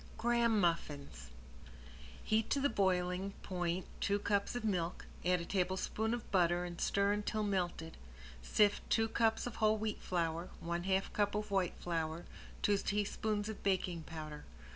~GRAHAM MUFFINS~ Heat to the boiling point two cups of milk, add a tablespoon of butter and stir until melted. Sift two cups of whole wheat flour, one half cup of white flour, two teaspoons of baking powder.